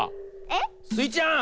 えっ？スイちゃん。